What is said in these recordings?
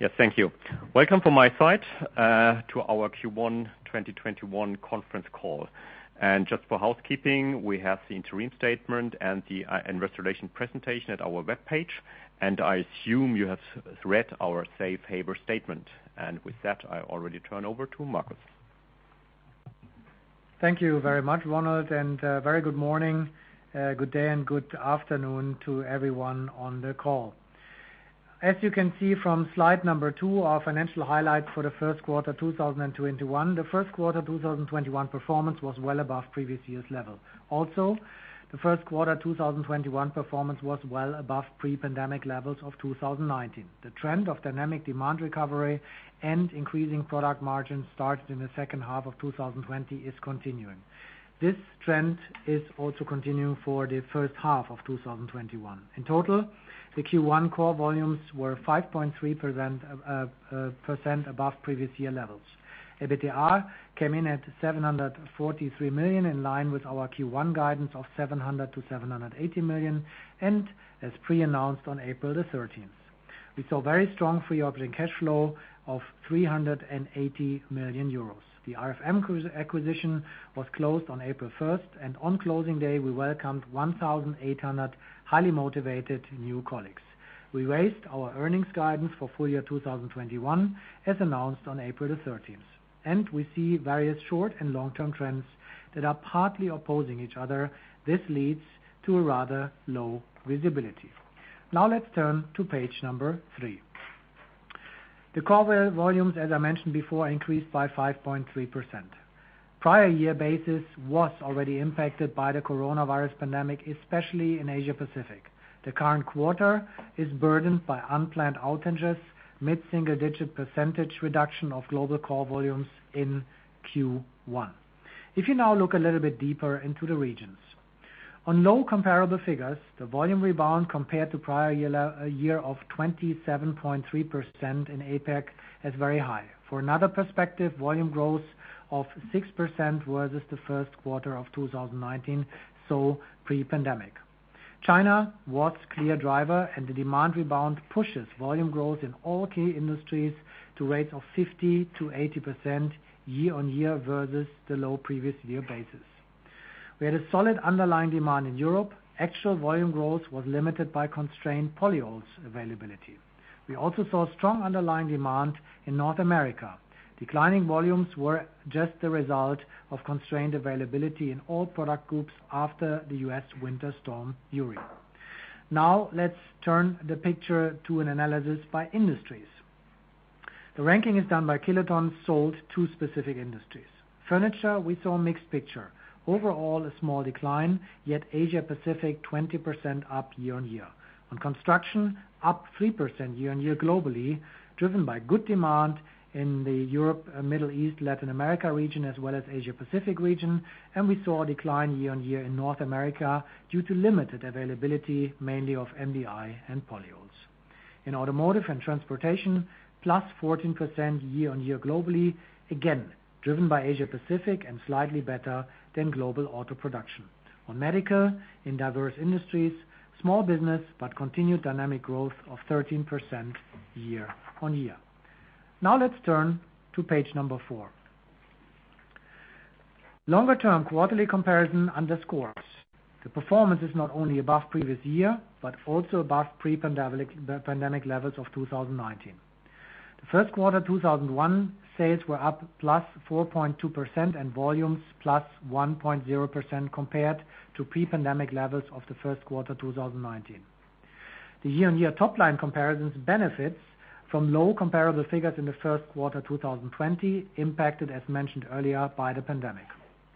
Yes. Thank you. Welcome from my side to our Q1 2021 conference call. Just for housekeeping, we have the interim statement and the Investor Relation presentation at our webpage, and I assume you have read our Safe Harbor statement. With that, I already turn over to Markus. Thank you very much, Ronald, a very good morning, good day and good afternoon to everyone on the call. As you can see from slide number two, our financial highlights for the first quarter 2021. The first quarter 2021 performance was well above previous year's level. The first quarter 2021 performance was well above pre-pandemic levels of 2019. The trend of dynamic demand recovery and increasing product margins started in the second half of 2020 is continuing. This trend is also continuing for the first half of 2021. In total, the Q1 core volumes were 5.3% above previous year levels. EBITDA came in at 743 million, in line with our Q1 guidance of 700 million-780 million, and as pre-announced on April the 13th. We saw very strong free operating cash flow of 380 million euros. The RFM acquisition was closed on April 1st, and on closing day, we welcomed 1,800 highly motivated new colleagues. We raised our earnings guidance for full year 2021, as announced on April the 13th. We see various short and long-term trends that are partly opposing each other. This leads to a rather low visibility. Now let's turn to page three. The core volumes, as I mentioned before, increased by 5.3%. Prior year basis was already impacted by the coronavirus pandemic, especially in Asia Pacific. The current quarter is burdened by unplanned outages, mid-single digit percentage reduction of global core volumes in Q1. If you now look a little bit deeper into the regions. On low comparable figures, the volume rebound compared to prior year of 27.3% in APAC is very high. For another perspective, volume growth of 6% versus the first quarter of 2019, so pre-pandemic. China was clear driver, and the demand rebound pushes volume growth in all key industries to rates of 50%-80% year-on-year versus the low previous year basis. We had a solid underlying demand in Europe. Actual volume growth was limited by constrained polyols availability. We also saw strong underlying demand in North America. Declining volumes were just the result of constrained availability in all product groups after the U.S. winter storm, Uri. Let's turn the picture to an analysis by industries. The ranking is done by kilotons sold to specific industries. Furniture, we saw a mixed picture. Overall, a small decline, yet Asia Pacific 20% up year-on-year. On construction, up 3% year-on-year globally, driven by good demand in the Europe, Middle East, Latin America region, as well as Asia Pacific region. We saw a decline year-on-year in North America due to limited availability, mainly of MDI and polyols. In automotive and transportation, +14% year-on-year globally, again, driven by Asia Pacific and slightly better than global auto production. On medical, in diverse industries, small business, but continued dynamic growth of 13% year-on-year. Now let's turn to page number four. Longer-term quarterly comparison underscores the performance is not only above previous year, but also above pre-pandemic levels of 2019. The first quarter 2021 sales were up +4.2% and volumes +1.0% compared to pre-pandemic levels of the first quarter 2019. The year-on-year top-line comparisons benefits from low comparable figures in the first quarter 2020, impacted, as mentioned earlier, by the pandemic.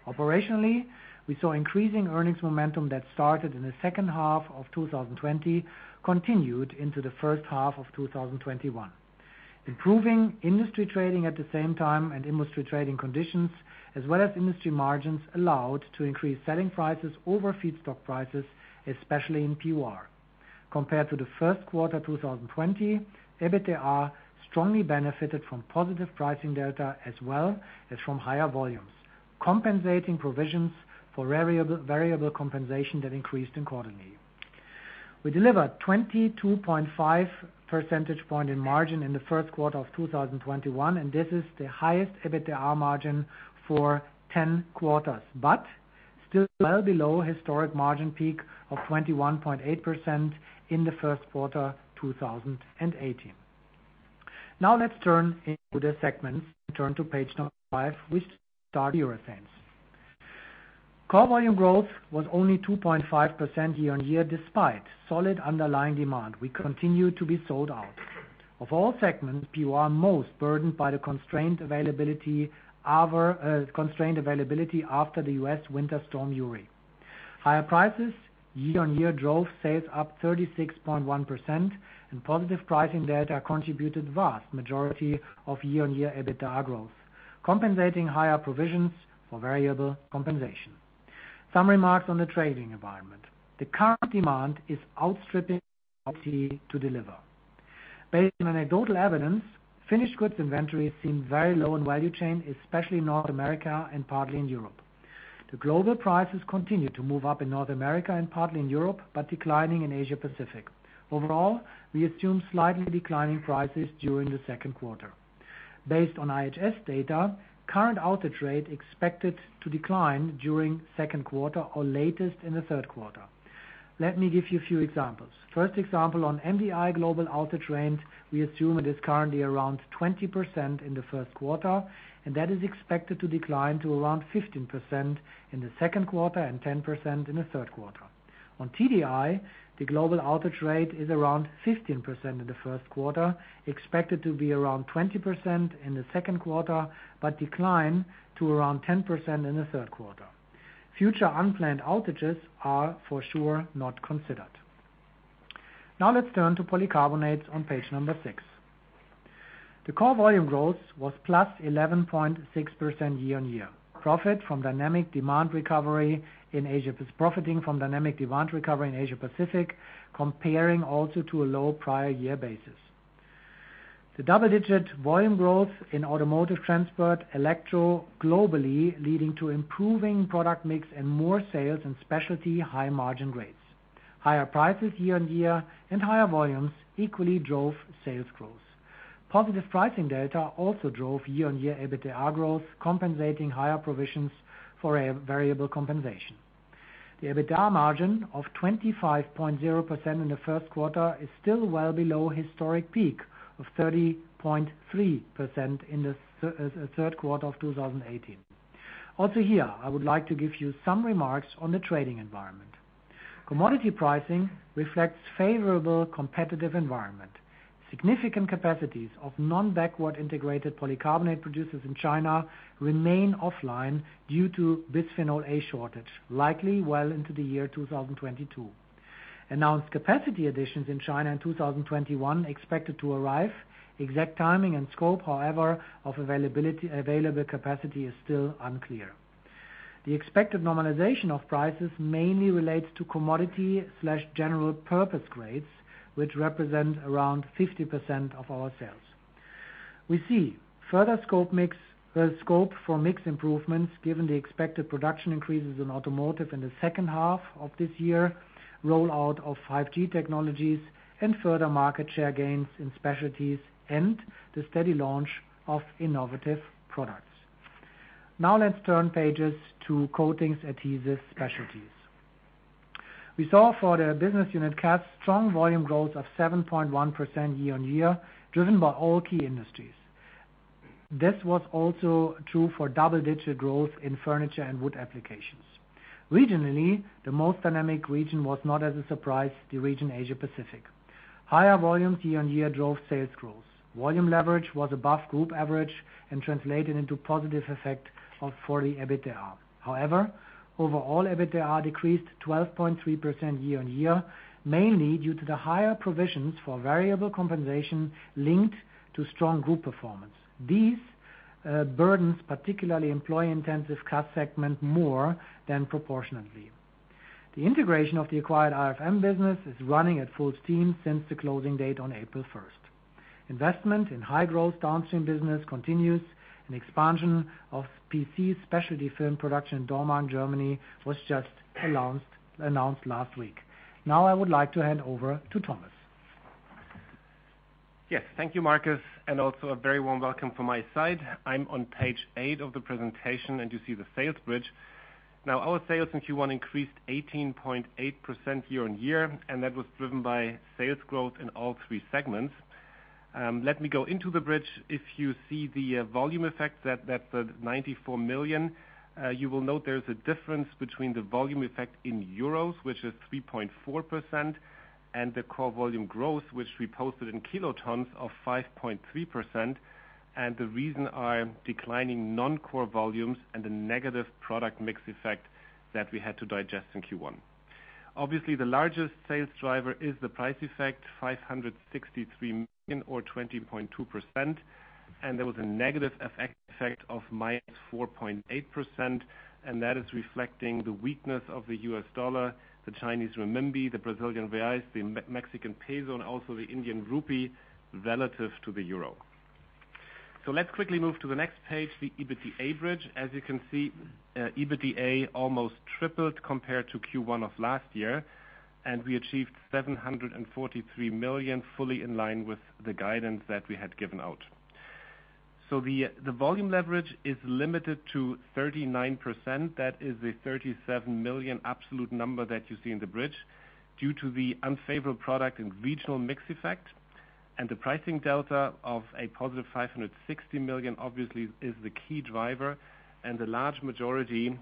Operationally, we saw increasing earnings momentum that started in the second half of 2020, continued into the first half of 2021. Improving industry trading at the same time and industry trading conditions, as well as industry margins, allowed to increase selling prices over feedstock prices, especially in PUR. Compared to the first quarter 2020, EBITDA strongly benefited from positive pricing delta as well as from higher volumes, compensating provisions for variable compensation that increased in quarterly. We delivered 22.5 percentage point in margin in the first quarter of 2021, and this is the highest EBITDA margin for 10 quarters, but still well below historic margin peak of 21.8% in the first quarter 2018. Let's turn into the segments and turn to page number five. We start with urethanes. Core volume growth was only 2.5% year-on-year despite solid underlying demand. We continue to be sold out. Of all segments, PUR most burdened by the constrained availability after the U.S. winter storm, Uri. Higher prices year-on-year drove sales up 36.1% and positive pricing delta contributed vast majority of year-on-year EBITDA growth, compensating higher provisions for variable compensation. Some remarks on the trading environment. The current demand is outstripping to deliver. Based on anecdotal evidence, finished goods inventories seem very low in value chain, especially North America and partly in Europe. The global prices continue to move up in North America and partly in Europe, but declining in Asia Pacific. Overall, we assume slightly declining prices during the second quarter. Based on IHS data, current outage rate expected to decline during second quarter or latest in the third quarter. Let me give you a few examples. First example on MDI global outage rate, we assume it is currently around 20% in the first quarter, and that is expected to decline to around 15% in the second quarter and 10% in the third quarter. On TDI, the global outage rate is around 15% in the first quarter, expected to be around 20% in the second quarter, but decline to around 10% in the third quarter. Future unplanned outages are for sure not considered. Let's turn to polycarbonates on page number six. The core volume growth was +11.6% year-on-year. Profiting from dynamic demand recovery in Asia Pacific, comparing also to a low prior year basis. The double-digit volume growth in automotive transport, electro globally leading to improving product mix and more sales in specialty high-margin rates. Higher prices year-on-year and higher volumes equally drove sales growth. Positive pricing delta also drove year-on-year EBITDA growth, compensating higher provisions for variable compensation. The EBITDA margin of 25.0% in the first quarter is still well below historic peak of 30.3% in the third quarter of 2018. Here, I would like to give you some remarks on the trading environment. Commodity pricing reflects favorable competitive environment. Significant capacities of non-backward-integrated polycarbonate producers in China remain offline due to bisphenol A shortage, likely well into the year 2022. Announced capacity additions in China in 2021 expected to arrive. Exact timing and scope, however, of available capacity is still unclear. The expected normalization of prices mainly relates to commodity/general purpose grades, which represent around 50% of our sales. We see further scope for mix improvements given the expected production increases in automotive in the second half of this year, rollout of 5G technologies, and further market share gains in specialties and the steady launch of innovative products. Let's turn pages to coatings, adhesives, specialties. We saw for the business unit CAS, strong volume growth of 7.1% year-on-year, driven by all key industries. This was also true for double-digit growth in furniture and wood applications. Regionally, the most dynamic region was not as a surprise, the region Asia Pacific. Higher volumes year-on-year drove sales growth. Volume leverage was above group average and translated into positive effect of 40% EBITDA. Overall EBITDA decreased 12.3% year-on-year, mainly due to the higher provisions for variable compensation linked to strong group performance. These burdens particularly employee-intense CAS segment more than proportionatel. The integration of the acquired RFM business is running at full steam since the closing date on April 1st. Investment in high-growth downstream business continues, and expansion of PC specialty film production in Dormagen, Germany, was just announced last week. Now I would like to hand over to Thomas. Yes. Thank you, Markus, and also a very warm welcome from my side. I'm on page eight of the presentation, and you see the sales bridge. Our sales in Q1 increased 18.8% year-over-year, and that was driven by sales growth in all three segments. Let me go into the bridge. If you see the volume effects, that's the 94 million. You will note there is a difference between the volume effect in euros, which is 3.4%, and the core volume growth, which we posted in kilotons of 5.3%. The reason are declining non-core volumes and the negative product mix effect that we had to digest in Q1. Obviously, the largest sales driver is the price effect, 563 million or 20.2%, and there was a negative effect of -4.8%, and that is reflecting the weakness of the US dollar, the Chinese renminbi, the Brazilian reais, the Mexican peso, and also the Indian rupee relative to the euro. Let's quickly move to the next page, the EBITDA bridge. As you can see, EBITDA almost tripled compared to Q1 of last year, and we achieved 743 million fully in line with the guidance that we had given out. The volume leverage is limited to 39%. That is the 37 million absolute number that you see in the bridge due to the unfavorable product and regional mix effect. The pricing delta of a positive 560 million obviously is the key driver, and the large majority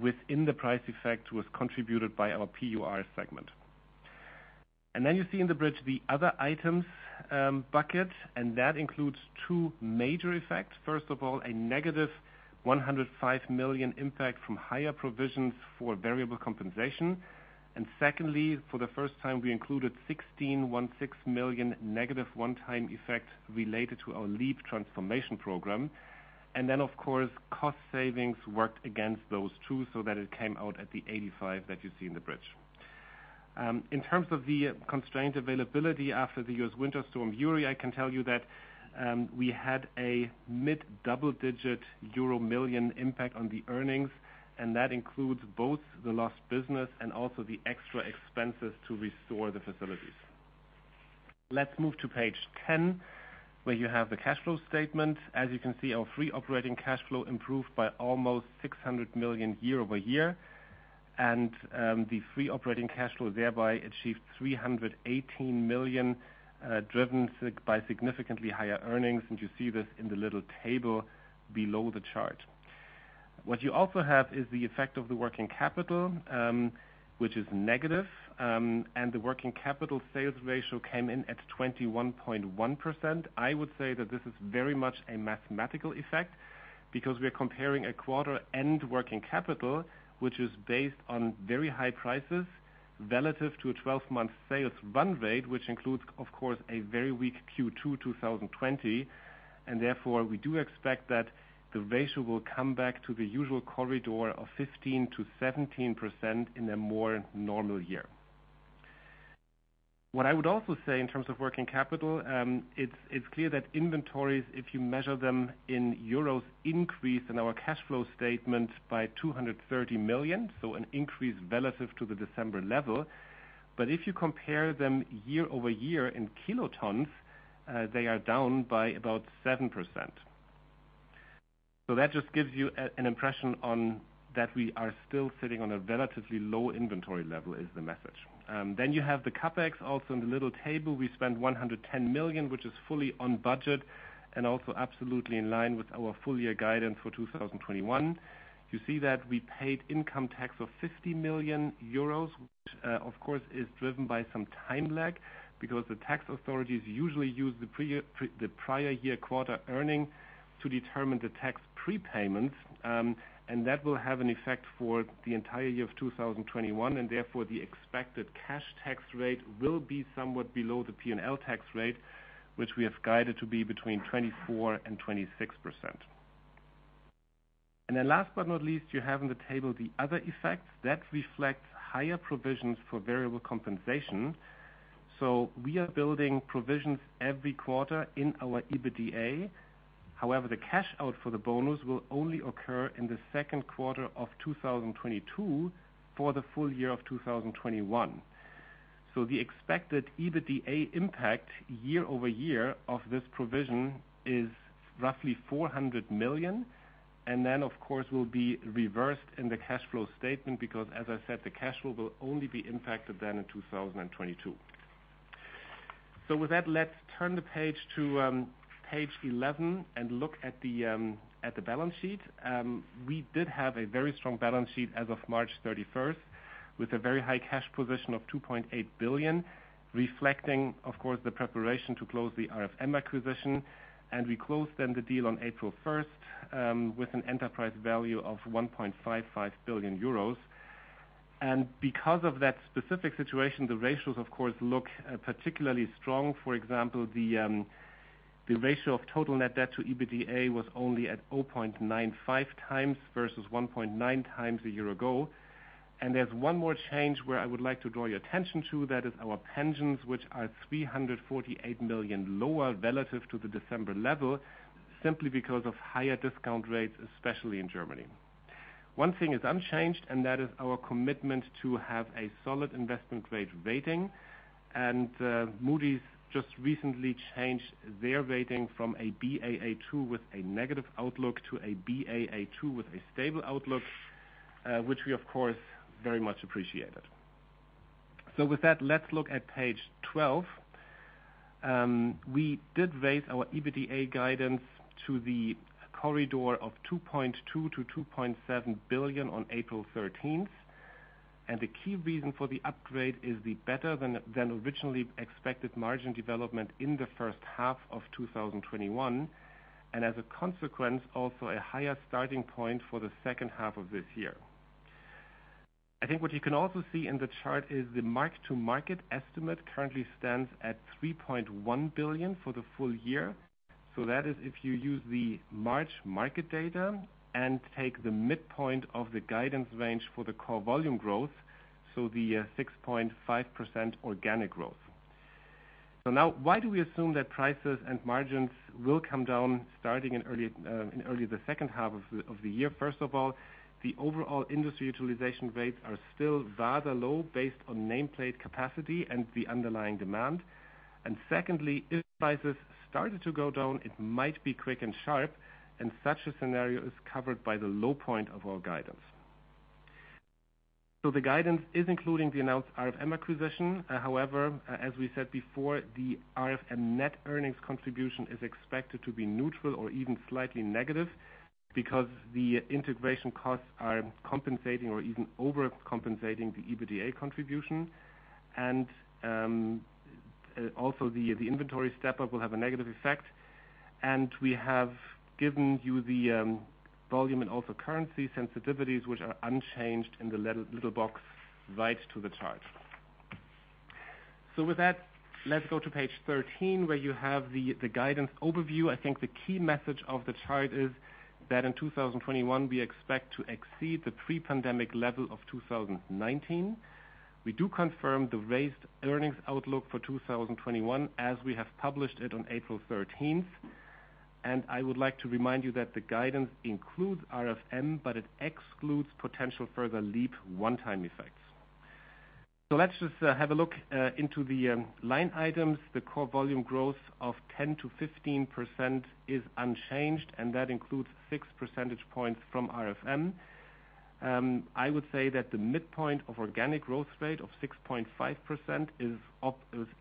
within the price effect was contributed by our PUR segment. You see in the bridge the other items bucket, and that includes two major effects. First of all, a -105 million impact from higher provisions for variable compensation. Secondly, for the first time, we included -16.16 million one-time effect related to our LEAP transformation program. Of course, cost savings worked against those two so that it came out at the 85 that you see in the bridge. In terms of the constrained availability after the U.S. winter storm, Uri, I can tell you that we had a mid double-digit euro million impact on the earnings, and that includes both the lost business and also the extra expenses to restore the facilities. Let's move to page 10, where you have the cash flow statement. As you can see, our free operating cash flow improved by almost 600 million year-over-year. The free operating cash flow thereby achieved 318 million, driven by significantly higher earnings. You see this in the little table below the chart. What you also have is the effect of the working capital, which is negative. The working capital sales ratio came in at 21.1%. I would say that this is very much a mathematical effect, because we're comparing a quarter end working capital, which is based on very high prices relative to a 12-month sales run-rate, which includes, of course, a very weak Q2 2020. Therefore, we do expect that the ratio will come back to the usual corridor of 15%-17% in a more normal year. What I would also say in terms of working capital, it's clear that inventories, if you measure them in EUR, increase in our cash flow statement by 230 million, an increase relative to the December level. If you compare them year-over-year in kilotons, they are down by about 7%. That just gives you an impression on that we are still sitting on a relatively low inventory level, is the message. You have the CapEx. Also in the little table, we spent 110 million, which is fully on budget and also absolutely in line with our full year guidance for 2021. You see that we paid income tax of 50 million euros, which of course is driven by some time lag, because the tax authorities usually use the prior-year quarter earning to determine the tax prepayments. That will have an effect for the entire year of 2021, therefore the expected cash tax rate will be somewhat below the P&L tax rate, which we have guided to be between 24%-26%. Last but not least, you have on the table the other effects that reflect higher provisions for variable compensation. We are building provisions every quarter in our EBITDA. However, the cash out for the bonus will only occur in the second quarter of 2022 for the full year of 2021. The expected EBITDA impact year-over-year of this provision is roughly 400 million. Of course, will be reversed in the cash flow statement because, as I said, the cash flow will only be impacted then in 2022. With that, let's turn the page to page 11 and look at the balance sheet. We did have a very strong balance sheet as of March 31st, with a very high cash position of 2.8 billion, reflecting, of course, the preparation to close the RFM acquisition. We closed then the deal on April 1st, with an enterprise value of 1.55 billion euros. Because of that specific situation, the ratios, of course, look particularly strong. For example, the ratio of total net debt- to-EBITDA was only at 0.95x versus 1.9x a year ago. There's one more change where I would like to draw your attention to. That is our pensions, which are 348 million lower relative to the December level, simply because of higher discount rates, especially in Germany. One thing is unchanged, and that is our commitment to have a solid investment grade rating. Moody's just recently changed their rating from a Baa2 with a negative outlook to a Baa2 with a stable outlook, which we of course very much appreciated. With that, let's look at page 12. We did raise our EBITDA guidance to the corridor of 2.2 billion-2.7 billion on April 13th. The key reason for the upgrade is the better than originally expected margin development in the first half of 2021. As a consequence, also a higher starting point for the second half of this year. I think what you can also see in the chart is the mark-to-market estimate currently stands at 3.1 billion for the full year. That is if you use the March market data and take the midpoint of the guidance range for the core volume growth, the 6.5% organic growth. Now why do we assume that prices and margins will come down starting in early the second half of the year? First of all, the overall industry utilization rates are still rather low based on nameplate capacity and the underlying demand. Secondly, if prices started to go down, it might be quick and sharp, and such a scenario is covered by the low point of our guidance. The guidance is including the announced RFM acquisition. However, as we said before, the RFM net earnings contribution is expected to be neutral or even slightly negative, because the integration costs are compensating or even overcompensating the EBITDA contribution. Also the inventory step-up will have a negative effect. We have given you the volume and also currency sensitivities, which are unchanged in the little box right to the chart. With that, let's go to page 13 where you have the guidance overview. I think the key message of the chart is that in 2021, we expect to exceed the pre-pandemic level of 2019. We do confirm the raised earnings outlook for 2021 as we have published it on April 13th. I would like to remind you that the guidance includes RFM, but it excludes potential further LEAP one-time effects. Let's just have a look into the line items. The core volume growth of 10% to 15% is unchanged, and that includes 6 percentage points from RFM. I would say that the midpoint of organic growth rate of 6.5% is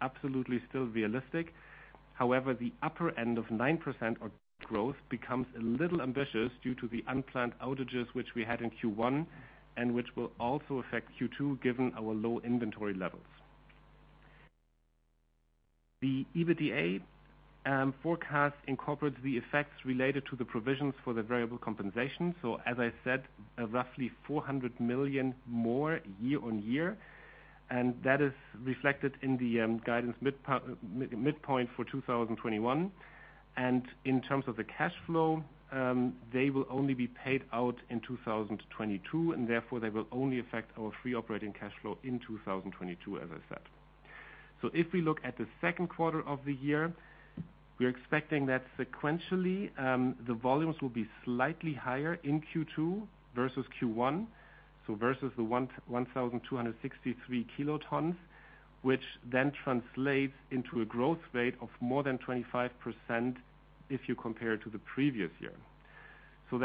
absolutely still realistic. However, the upper end of 9% of growth becomes a little ambitious due to the unplanned outages which we had in Q1, and which will also affect Q2 given our low inventory levels. The EBITDA forecast incorporates the effects related to the provisions for the variable compensation. As I said, roughly 400 million more year-on-year, and that is reflected in the guidance midpoint for 2021. In terms of the cash flow, they will only be paid out in 2022, and therefore they will only affect our free operating cash flow in 2022, as I said. If we look at the second quarter of the year, we are expecting that sequentially, the volumes will be slightly higher in Q2 versus Q1. Versus the 1,263 kilotons, which then translates into a growth rate of more than 25% if you compare to the previous year. For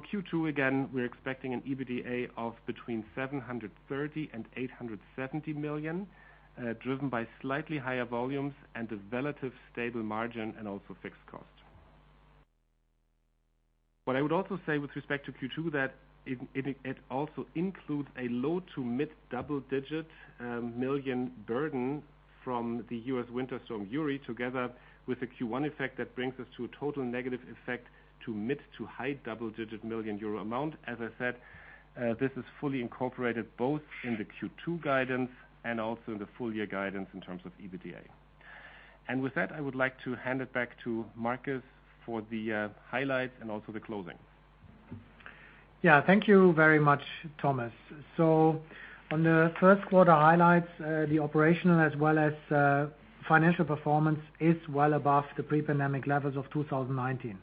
Q2, again, we're expecting an EBITDA of between 730 million and 870 million, driven by slightly higher volumes and a relative stable margin and also fixed cost. What I would also say with respect to Q2, that it also includes a low to mid double-digit million burden from the U.S. winter storm Uri, together with the Q1 effect that brings us to a total negative effect to mid to high double-digit million euro amount. As I said, this is fully incorporated both in the Q2 guidance and also in the full year guidance in terms of EBITDA. With that, I would like to hand it back to Markus for the highlights and also the closing. Thank you very much, Thomas. On the first quarter highlights, the operational as well as financial performance is well above the pre-pandemic levels of 2019.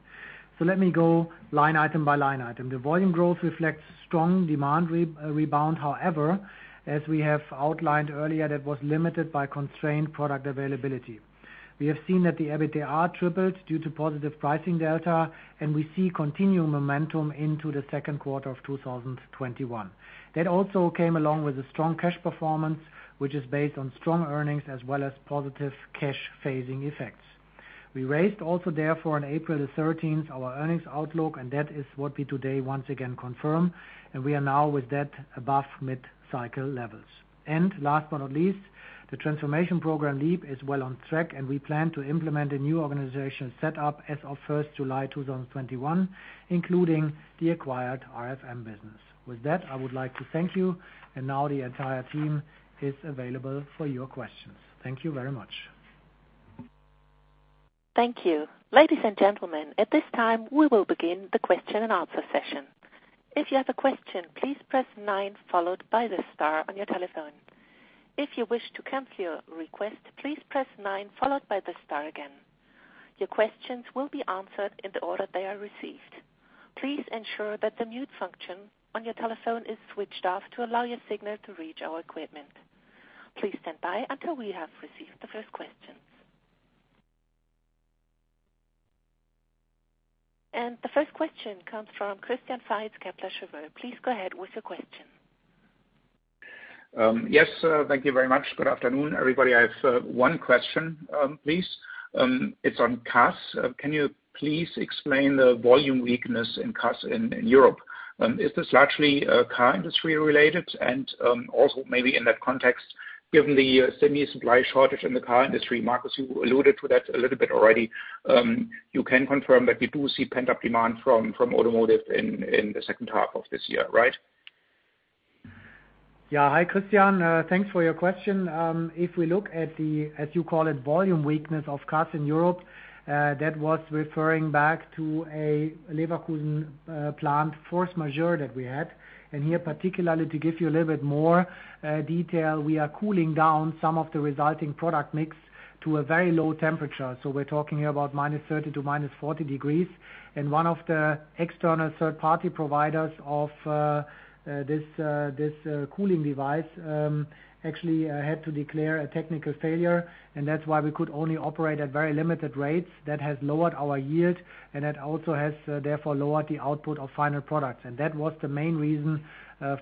Let me go line item-by -line item. The volume growth reflects strong demand rebound. However, as we have outlined earlier, that was limited by constrained product availability. We have seen that the EBITDA tripled due to positive pricing delta, and we see continued momentum into the second quarter of 2021. That also came along with a strong cash performance, which is based on strong earnings as well as positive cash phasing effects. We raised also therefore on April the 13th our earnings outlook, and that is what we today once again confirm, and we are now with that above mid-cycle levels. Last but not least, the transformation program LEAP is well on track, and we plan to implement a new organizational set-up as of 1st July 2021, including the acquired RFM business. With that, I would like to thank you, and now the entire team is available for your questions. Thank you very much. Thank you. Ladies and gentlemen, at this time, we will begin the question and answer session. If you have a question, please press nine followed by the star on your telephone. If you wish to cancel your request, please press nine followed by the star again. Your questions will be answered in the order they are received. Please ensure that the mute function on your telephone is switched off to allow your signal to reach our equipment. Please stand by until we have received the first question. And the first question comes from Christian Faitz, Kepler Cheuvreux. Please go ahead with your question. Yes, thank you very much. Good afternoon, everybody. I have one question, please. It's on CAS. Can you please explain the volume weakness in CAS in Europe? Is this largely car industry-related? Also maybe in that context, given the semi supply shortage in the car industry, Markus, you alluded to that a little bit already, you can confirm that we do see pent-up demand from automotive in the second half of this year, right? Hi, Christian. Thanks for your question. If we look at the, as you call it, volume weakness of CAS in Europe, that was referring back to a Leverkusen plant force majeure that we had. Here, particularly to give you a little bit more detail, we are cooling down some of the resulting product mix to a very low temperature. We're talking here about -30 to -40 degrees Celsius. One of the external third-party providers of this cooling device actually had to declare a technical failure, and that's why we could only operate at very limited rates. That has lowered our yield, and that also has therefore lowered the output of final products. That was the main reason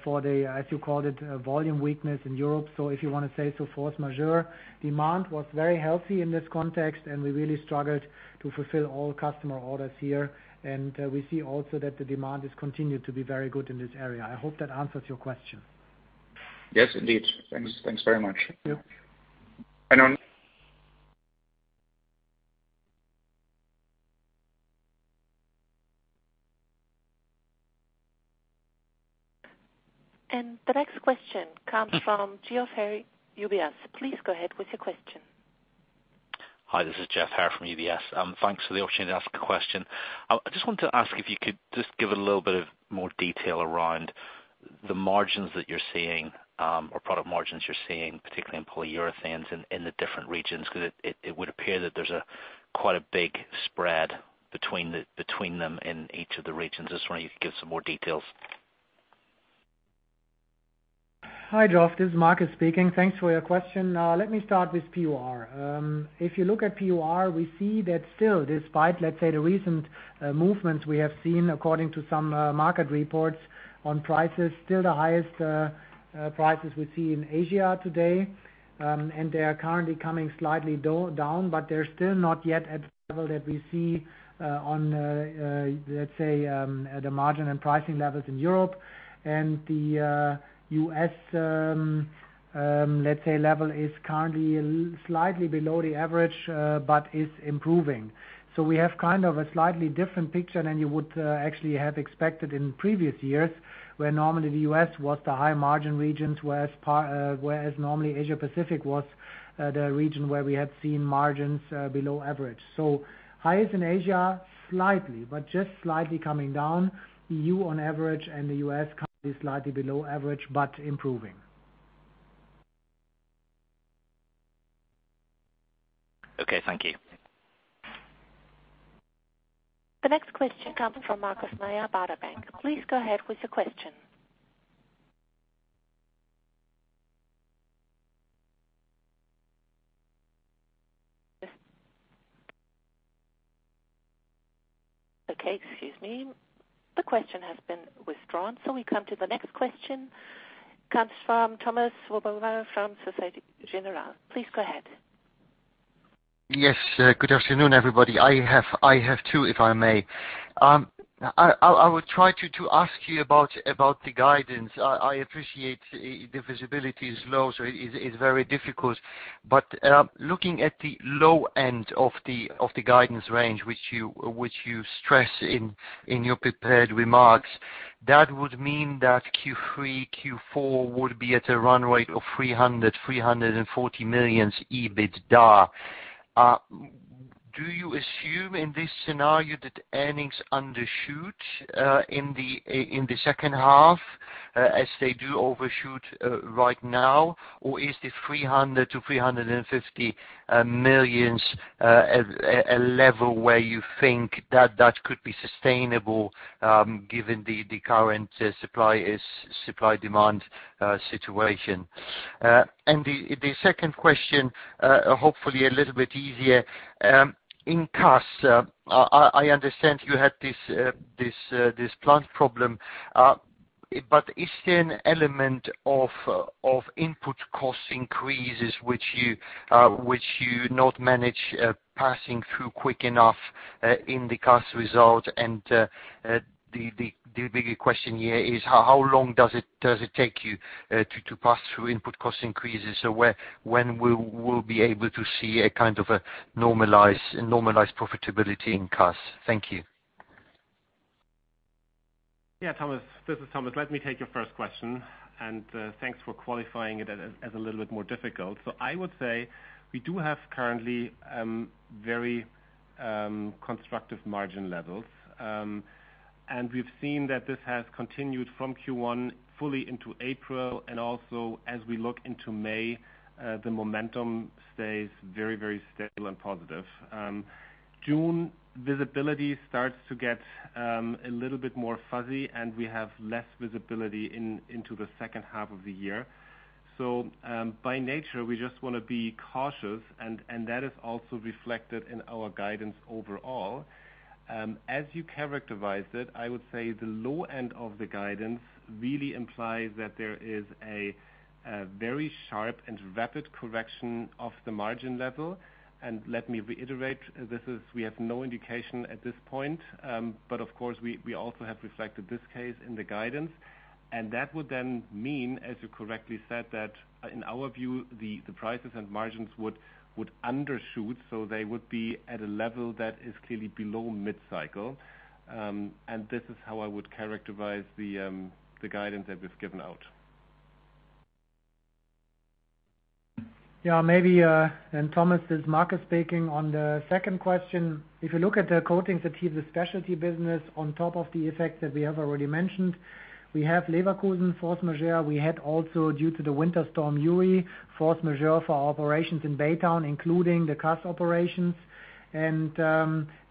for the, as you called it, volume weakness in Europe. If you want to say so, force majeure. Demand was very healthy in this context, and we really struggled to fulfill all customer orders here. We see also that the demand has continued to be very good in this area. I hope that answers your question. Yes, indeed. Thanks very much. Yep. The next question comes from Geoff Haire, UBS. Please go ahead with your question. Hi, this is Geoff Haire from UBS. Thanks for the opportunity to ask a question. I just wanted to ask if you could just give a little bit of more detail around the margins that you're seeing, or product margins you're seeing, particularly in polyurethanes in the different regions, because it would appear that there's quite a big spread between them in each of the regions. I just wonder if you could give some more details. Hi, Geoff, this is Markus speaking. Thanks for your question. Let me start with PUR. If you look at PUR, we see that still despite, let's say, the recent movements we have seen, according to some market reports on prices, still the highest prices we see in Asia today, and they are currently coming slightly down, but they're still not yet at the level that we see on, let's say, the margin and pricing levels in Europe and the U.S., let's say level is currently slightly below the average, but is improving. We have a slightly different picture than you would actually have expected in previous years, where normally the U.S. was the high margin regions, whereas normally Asia Pacific was the region where we had seen margins below average. Highest in Asia, slightly, but just slightly coming down. EU on average, the U.S. currently slightly below average, but improving. Okay, thank you. The next question comes from Markus Mayer, Baader Bank. Please go ahead with the question. Okay, excuse me. The question has been withdrawn. We come to the next question, comes from Thomas Swoboda from Société Générale. Please go ahead. Yes. Good afternoon, everybody. I have two, if I may. I would try to ask you about the guidance. I appreciate the visibility is low, so it is very difficult. Looking at the low end of the guidance range, which you stress in your prepared remarks, that would mean that Q3, Q4 would be at a run-rate of 300 million-340 million EBITDA. Do you assume in this scenario that earnings undershoot in the second half as they do overshoot right now? Is the 300 million-350 million a level where you think that that could be sustainable, given the current supply demand situation? The second question, hopefully a little bit easier. In CAS, I understand you had this plant problem. Is there an element of input cost increases which you not manage passing through quick enough in the CAS result? The bigger question here is how long does it take you to pass through input cost increases? When we will be able to see a kind of a normalized profitability in CAS? Thank you. Thomas. This is Thomas. Let me take your first question, thanks for qualifying it as a little bit more difficult. I would say we do have currently very constructive margin levels. We've seen that this has continued from Q1 fully into April, also as we look into May, the momentum stays very stable and positive. June visibility starts to get a little bit more fuzzy, we have less visibility into the second half of the year. By nature, we just want to be cautious that is also reflected in our guidance overall. As you characterized it, I would say the low end of the guidance really implies that there is a very sharp and rapid correction of the margin level, let me reiterate, we have no indication at this point. Of course, we also have reflected this case in the guidance. That would then mean, as you correctly said, that in our view, the prices and margins would undershoot, so they would be at a level that is clearly below mid-cycle. This is how I would characterize the guidance that we've given out. Yeah, maybe, Thomas, this is Markus speaking on the second question. If you look at the coatings, adhesives, specialty business on top of the effects that we have already mentioned, we have Leverkusen force majeure. We had also, due to the winter storm Uri, force majeure for our operations in Baytown, including the CAS operations.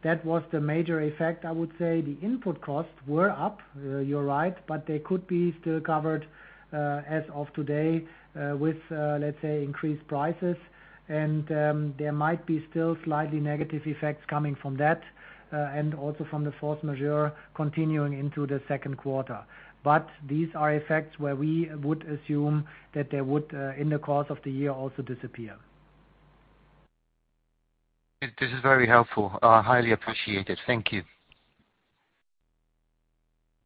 That was the major effect, I would say. The input costs were up, you're right, but they could be still covered, as of today, with, let's say, increased prices, and there might be still slightly negative effects coming from that, and also from the force majeure continuing into the second quarter. These are effects where we would assume that they would, in the course of the year, also disappear. This is very helpful. I highly appreciate it. Thank you.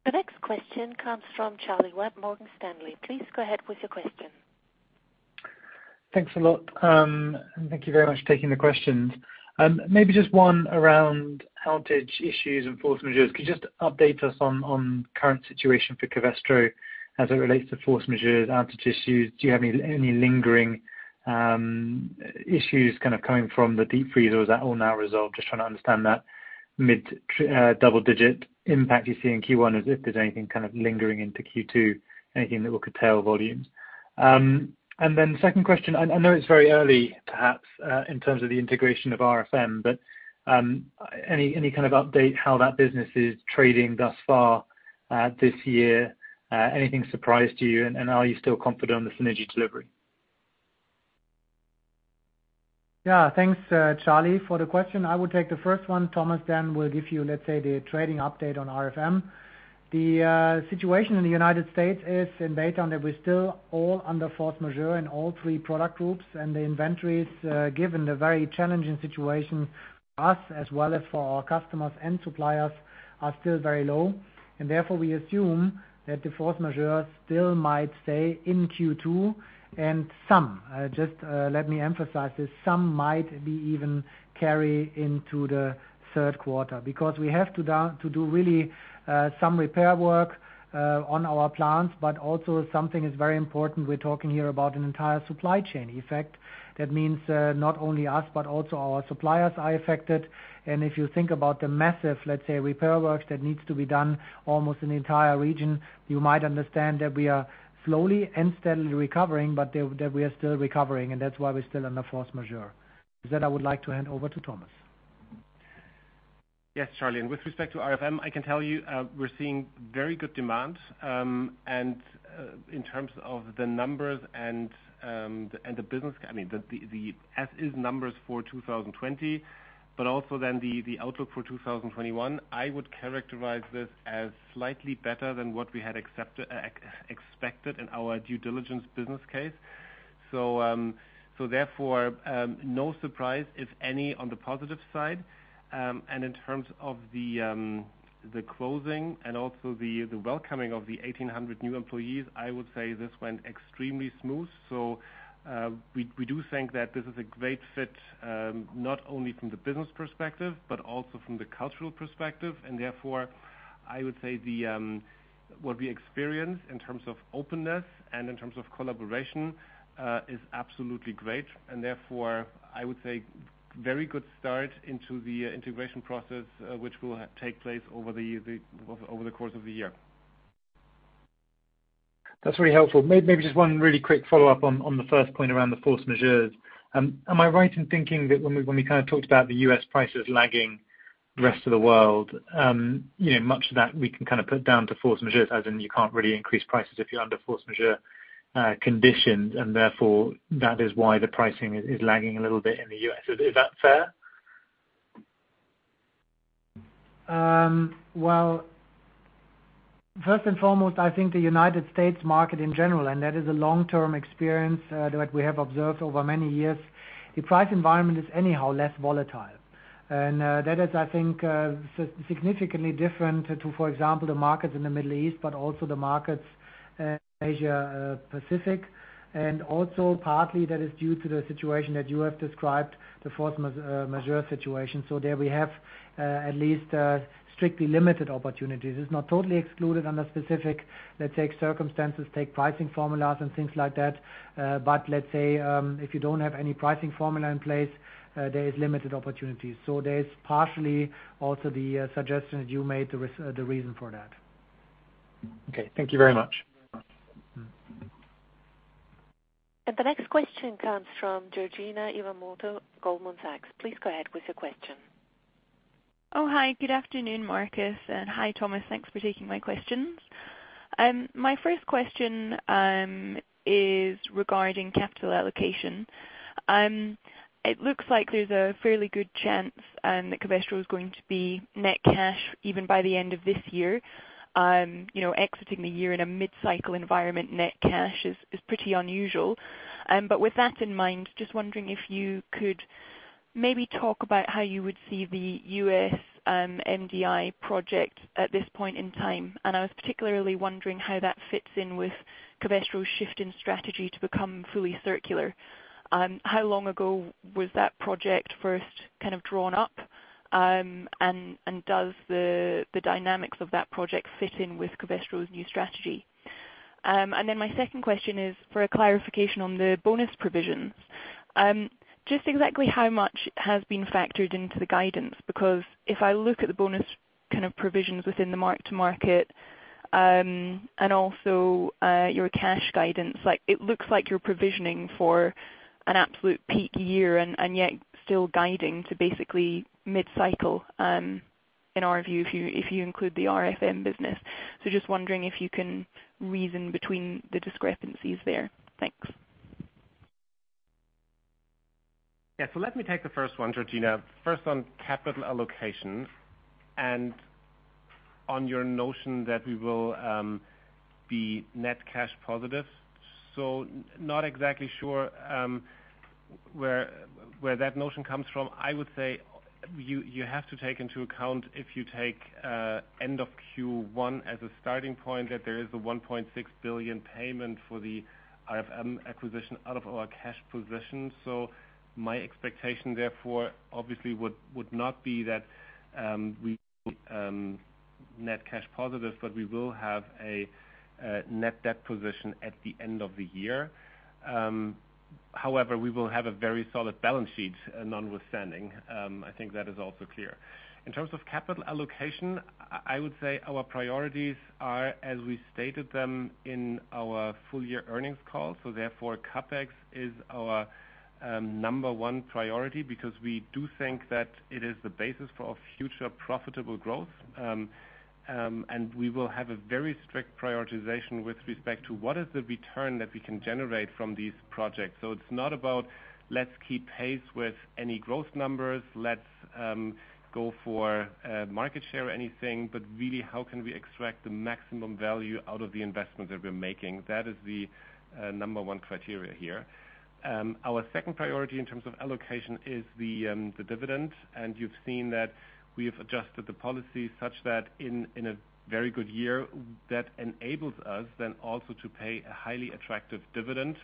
The next question comes from Charlie Webb, Morgan Stanley. Please go ahead with your question. Thanks a lot. Thank you very much for taking the questions. Maybe just one around outage issues and force majeures. Could you just update us on current situation for Covestro as it relates to force majeures, outage issues? Do you have any lingering issues coming from the deep freeze, or is that all now resolved? Just trying to understand that mid double-digit impact you see in Q1 as if there's anything lingering into Q2, anything that will curtail volumes. Second question, I know it's very early perhaps in terms of the integration of RFM, but any kind of update how that business is trading thus far this year? Anything surprise you, and are you still confident on the synergy delivery? Thanks, Charlie, for the question. I will take the first one. Thomas will give you, let's say, the trading update on RFM. The situation in the U.S. is in Baytown, that we're still all under force majeure in all three product groups. The inventories, given the very challenging situation for us as well as for our customers and suppliers, are still very low. Therefore, we assume that the force majeure still might stay in Q2. Some, just let me emphasize this, some might be even carry into the third quarter because we have to do really some repair work on our plants. Also something is very important, we're talking here about an entire supply chain effect. That means, not only us, but also our suppliers are affected. If you think about the massive, let's say, repair works that needs to be done almost in the entire region, you might understand that we are slowly and steadily recovering, but that we are still recovering. That's why we're still under force majeure. With that, I would like to hand over to Thomas. Yes, Charlie. With respect to RFM, I can tell you, we're seeing very good demand. In terms of the numbers and the business, I mean, as is numbers for 2020, but also then the outlook for 2021, I would characterize this as slightly better than what we had expected in our due diligence business case. Therefore, no surprise, if any, on the positive side. In terms of the closing and also the welcoming of the 1,800 new employees, I would say this went extremely smooth. We do think that this is a great fit, not only from the business perspective, but also from the cultural perspective. Therefore, I would say what we experience in terms of openness and in terms of collaboration, is absolutely great. Therefore, I would say very good start into the integration process, which will take place over the course of the year. That's really helpful. Maybe just one really quick follow-up on the first point around the force majeures. Am I right in thinking that when we talked about the U.S. prices lagging the rest of the world, much of that we can put down to force majeures, as in you can't really increase prices if you're under force majeure conditions, and therefore, that is why the pricing is lagging a little bit in the U.S. Is that fair? First and foremost, I think the United States market in general, and that is a long-term experience, that we have observed over many years, the price environment is anyhow less volatile. That is, I think, significantly different to, for example, the markets in the Middle East, but also the markets in Asia Pacific. Also partly that is due to the situation that you have described, the force majeure situation. There we have at least strictly limited opportunities. It's not totally excluded under specific, let's say, circumstances, take pricing formulas and things like that. Let's say, if you don't have any pricing formula in place, there is limited opportunities. There is partially also the suggestion that you made, the reason for that. Okay. Thank you very much. The next question comes from Georgina Iwamoto, Goldman Sachs. Please go ahead with your question. Oh, hi. Good afternoon, Markus, and hi, Thomas. Thanks for taking my questions. My first question is regarding capital allocation. It looks like there's a fairly good chance that Covestro is going to be net cash even by the end of this year. Exiting the year in a mid-cycle environment net cash is pretty unusual. With that in mind, just wondering if you could maybe talk about how you would see the U.S. MDI project at this point in time. I was particularly wondering how that fits in with Covestro's shift in strategy to become fully circular. How long ago was that project first drawn up? Does the dynamics of that project fit in with Covestro's new strategy? My second question is for a clarification on the bonus provisions. Just exactly how much has been factored into the guidance? Because if I look at the bonus provisions within the mark-to-market, and also, your cash guidance, it looks like you're provisioning for an absolute peak year and yet still guiding to basically mid-cycle, in our view, if you include the RFM business. Just wondering if you can reason between the discrepancies there? Thanks. Yeah. Let me take the first one, Georgina. First on capital allocation and on your notion that we will be net cash positive. Not exactly sure where that notion comes from, I would say you have to take into account if you take end of Q1 as a starting point, that there is a 1.6 billion payment for the RFM acquisition out of our cash position. My expectation therefore obviously would not be that we net cash positive, but we will have a net debt position at the end of the year. However, we will have a very solid balance sheet notwithstanding. I think that is also clear. In terms of capital allocation, I would say our priorities are as we stated them in our full year earnings call. CapEx is our number one priority because we do think that it is the basis for our future profitable growth. We will have a very strict prioritization with respect to what is the return that we can generate from these projects. It's not about let's keep pace with any growth numbers, let's go for market share or anything, but really how can we extract the maximum value out of the investment that we're making? That is the number one criteria here. Our second priority in terms of allocation is the dividend. You've seen that we have adjusted the policy such that in a very good year, that enables us then also to pay a highly attractive dividend.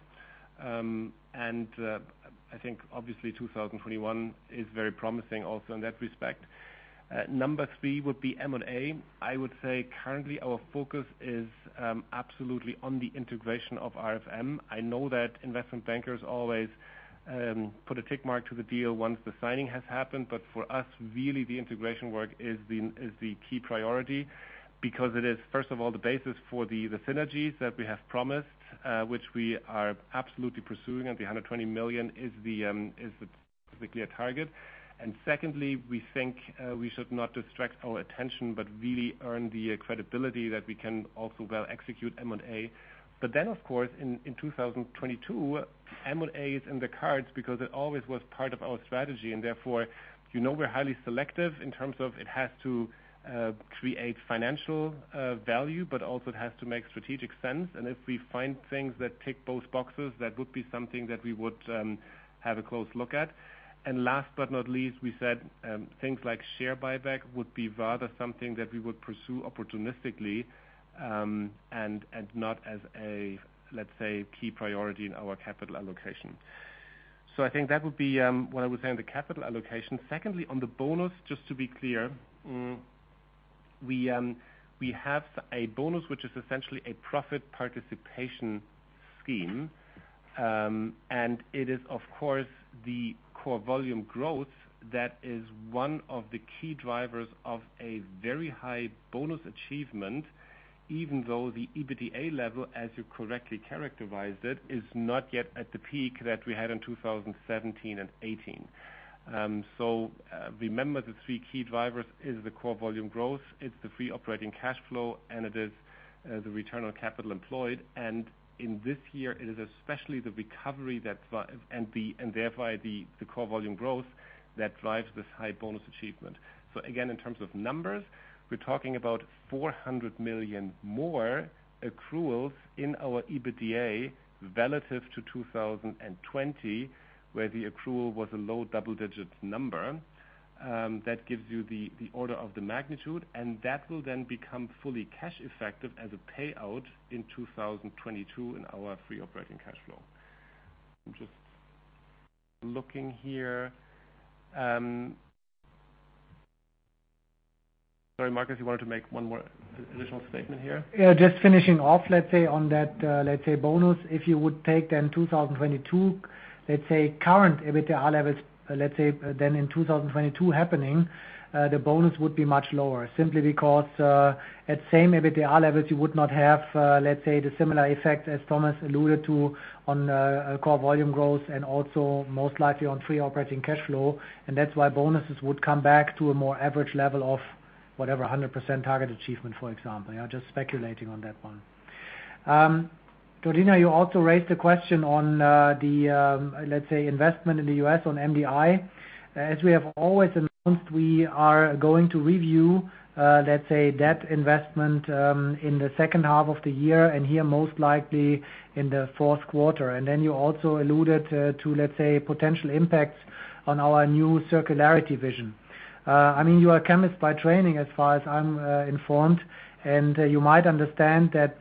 I think obviously 2021 is very promising also in that respect. Number three would be M&A. I would say currently our focus is absolutely on the integration of RFM. I know that investment bankers always put a tick mark to the deal once the signing has happened. For us, really the integration work is the key priority because it is first of all, the basis for the synergies that we have promised, which we are absolutely pursuing and the 120 million is the clear target. Secondly, we think we should not distract our attention, but really earn the credibility that we can also well execute M&A. Of course, in 2022, M&A is in the cards because it always was part of our strategy. Therefore, you know we're highly selective in terms of it has to create financial value, but also it has to make strategic sense. If we find things that tick both boxes, that would be something that we would have a close look at. Last but not least, we said things like share buyback would be rather something that we would pursue opportunistically, and not as a, let's say, key priority in our capital allocation. I think that would be what I would say on the capital allocation. Secondly, on the bonus, just to be clear. We have a bonus which is essentially a profit participation scheme. It is of course, the core volume growth that is one of the key drivers of a very high bonus achievement, even though the EBITDA level, as you correctly characterized it, is not yet at the peak that we had in 2017 and 2018. Remember the three key drivers is the core volume growth, it's the free operating cash flow, and it is the return on capital employed. In this year it is especially the recovery and therefore the core volume growth that drives this high bonus achievement. Again, in terms of numbers, we're talking about 400 million more accruals in our EBITDA relative to 2020, where the accrual was a low double-digit number. That gives you the order of the magnitude, and that will then become fully cash effective as a payout in 2022 in our free operating cash flow. I'm just looking here. Sorry, Markus, you wanted to make one more additional statement here? Yeah, just finishing off, let's say on that bonus. If you would take then 2022, let's say current EBITDA levels, let's say then in 2022 happening, the bonus would be much lower simply because at same EBITDA levels you would not have, let's say the similar effect as Thomas alluded to on core volume growth and also most likely on free operating cash flow. That's why bonuses would come back to a more average level of whatever 100% target achievement, for example. Yeah, just speculating on that one. Georgina, you also raised the question on the, let's say, investment in the U.S. on MDI. As we have always announced, we are going to review, let's say, that investment in the second half of the year and here most likely in the fourth quarter. You also alluded to, let's say, potential impacts on our new circularity vision. You are a chemist by training as far as I'm informed, and you might understand that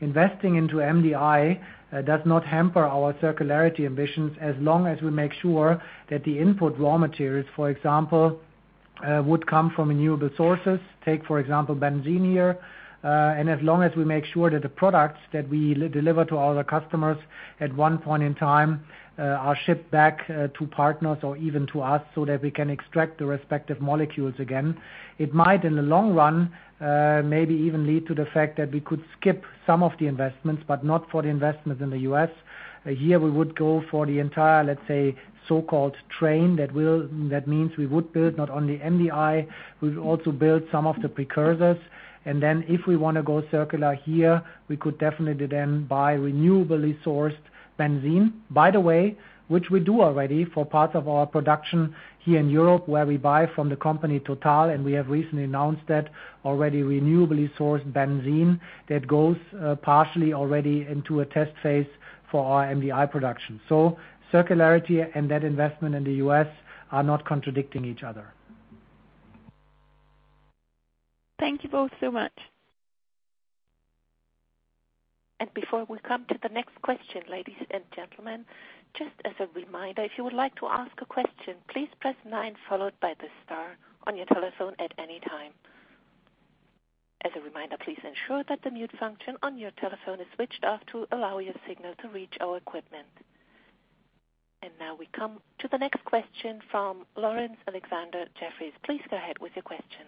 investing into MDI does not hamper our circularity ambitions as long as we make sure that the input raw materials, for example, would come from renewable sources. Take, for example, benzene here. As long as we make sure that the products that we deliver to our customers at one point in time are shipped back to partners or even to us so that we can extract the respective molecules again. It might, in the long run, maybe even lead to the fact that we could skip some of the investments, but not for the investment in the U.S. Here we would go for the entire, let's say, so-called train. That means we would build not only MDI, we would also build some of the precursors. If we want to go circular here, we could definitely then buy renewably sourced benzene. Which we do already for parts of our production here in Europe where we buy from the company Total, and we have recently announced that already renewably sourced benzene that goes partially already into a test phase for our MDI production. Circularity and that investment in the U.S. are not contradicting each other. Thank you both so much. Before we come to the next question, ladies and gentlemen. Just as a reminder if you would like to ask a question please press nine followed by the star on your telephone at any time. As a reminder please ensure that the mute function on your telephone is switched off to allow your signal to reach our equipment. And now we come to the next question from Laurence Alexander, Jefferies. Please go ahead with your question.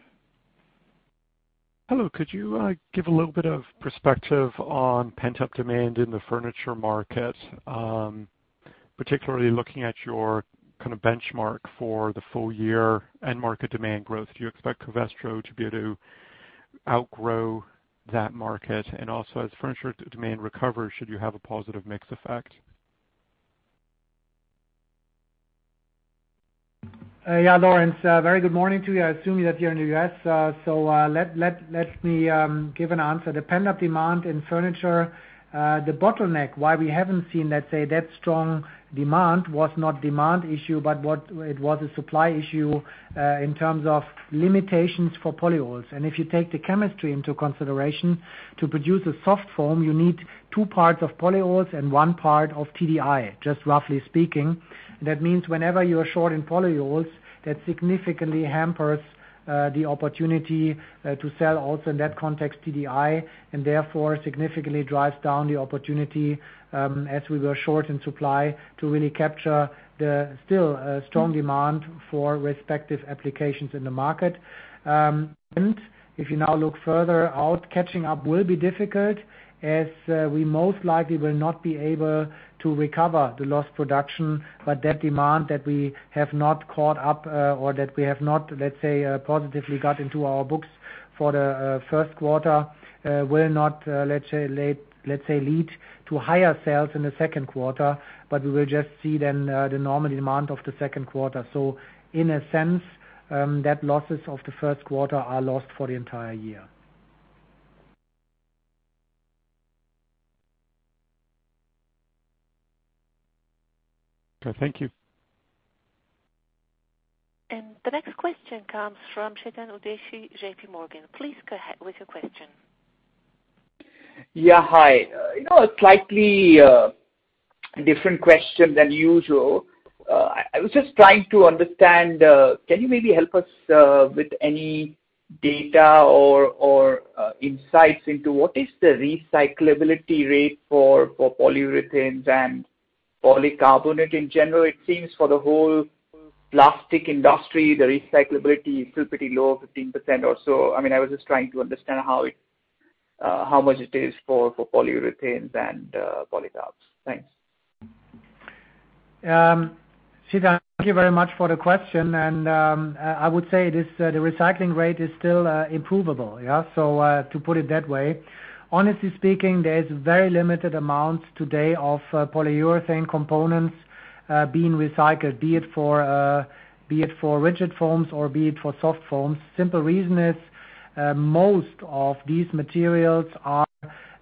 Hello. Could you give a little bit of perspective on pent-up demand in the furniture market? Particularly looking at your benchmark for the full year end market demand growth. Do you expect Covestro to be able to outgrow that market? Also, as furniture demand recovers, should you have a positive mix effect? Yeah, Laurence, very good morning to you. I assume that you're in the U.S., so let me give an answer. The pent-up demand in furniture. The bottleneck, why we haven't seen, let's say, that strong demand was not a demand issue, but it was a supply issue in terms of limitations for polyols. If you take the chemistry into consideration, to produce a soft foam, you need two parts of polyols and one part of TDI, just roughly speaking. That means whenever you are short in polyols, that significantly hampers the opportunity to sell also in that context, TDI, and therefore significantly drives down the opportunity as we were short in supply to really capture the still strong demand for respective applications in the market. If you now look further out, catching up will be difficult, as we most likely will not be able to recover the lost production. That demand that we have not caught up or that we have not, let's say, positively got into our books for the first quarter will not lead to higher sales in the second quarter, but we will just see then the normal demand of the second quarter. In a sense, that losses of the first quarter are lost for the entire year. Okay, thank you. The next question comes from Chetan Udeshi, JPMorgan. Please go ahead with your question. Yeah. Hi. A slightly different question than usual. I was just trying to understand, can you maybe help us with any data or insights into what is the recyclability rate for polyurethanes and polycarbonate in general? It seems for the whole plastic industry, the recyclability is still pretty low, 15% or so. I was just trying to understand how much it is for polyurethanes and polycarbs. Thanks. Chetan, thank you very much for the question. I would say the recycling rate is still improvable. To put it that way, honestly speaking, there is very limited amount today of polyurethane components being recycled, be it for rigid foams or be it for soft foams. Simple reason is most of these materials are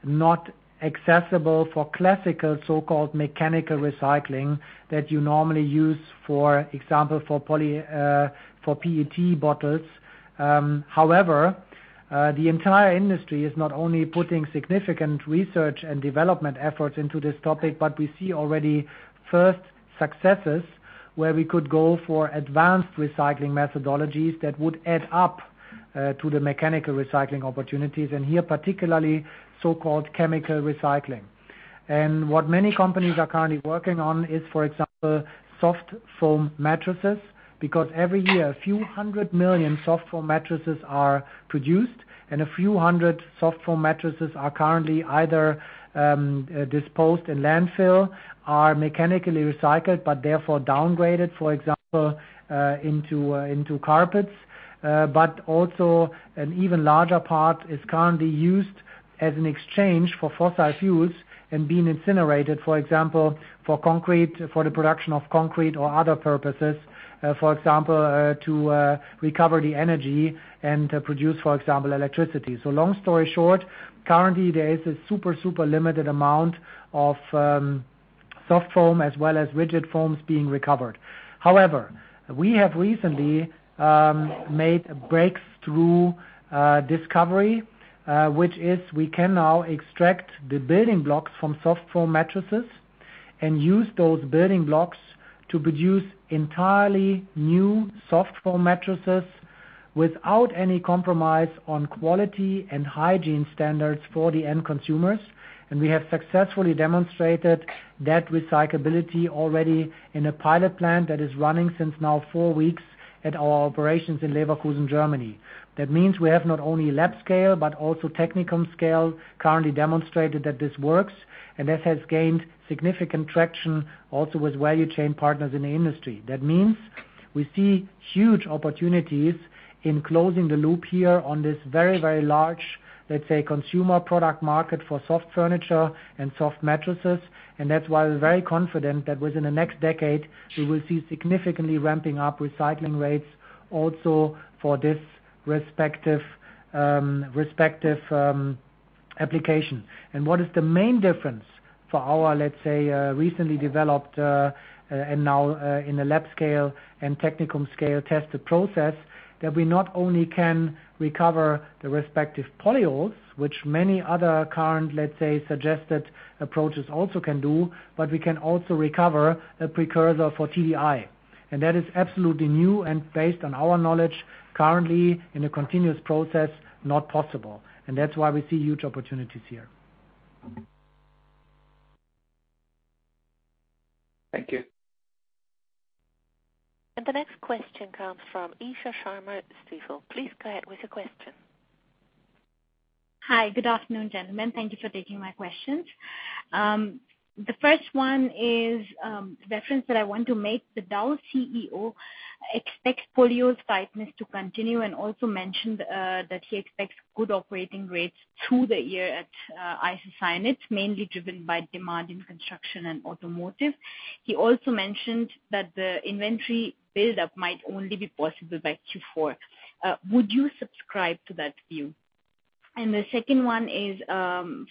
not accessible for classical so-called mechanical recycling that you normally use, for example, for PET bottles. However, the entire industry is not only putting significant research and development efforts into this topic, but we see already first successes where we could go for advanced recycling methodologies that would add up to the mechanical recycling opportunities, and here, particularly so-called chemical recycling. What many companies are currently working on is, for example, soft foam mattresses, because every year a few hundred million soft foam mattresses are produced and a few hundred soft foam mattresses are currently either disposed in landfill, are mechanically recycled, but therefore downgraded, for example, into carpets. Also an even larger part is currently used as an exchange for fossil fuels and being incinerated, for example, for the production of concrete or other purposes. For example, to recover the energy and produce, for example, electricity. Long story short, currently there is a super limited amount of soft foam as well as rigid foams being recovered. However, we have recently made a breakthrough discovery, which is we can now extract the building blocks from soft foam mattresses and use those building blocks to produce entirely new soft foam mattresses without any compromise on quality and hygiene standards for the end consumers. We have successfully demonstrated that recyclability already in a pilot plant that is running since now four weeks at our operations in Leverkusen, Germany. We have not only lab scale, but also technical scale currently demonstrated that this works, and that has gained significant traction also with value chain partners in the industry. We see huge opportunities in closing the loop here on this very large, let's say, consumer product market for soft furniture and soft mattresses. That's why we're very confident that within the next decade we will see significantly ramping up recycling rates also for this respective application. What is the main difference for our, let's say, recently developed, and now in the lab scale and technical scale, tested process, that we not only can recover the respective polyols, which many other current, let's say, suggested approaches also can do, but we can also recover a precursor for TDI. That is absolutely new and based on our knowledge currently in a continuous process, not possible. That's why we see huge opportunities here. Thank you. The next question comes from Isha Sharma at Stifel. Please go ahead with the question. Hi. Good afternoon, gentlemen. Thank you for taking my questions. The first one is, the reference that I want to make, the Dow CEO expects polyols tightness to continue and also mentioned that he expects good operating rates through the year at isocyanates, mainly driven by demand in construction and automotive. He also mentioned that the inventory buildup might only be possible by Q4. Would you subscribe to that view? The second one is,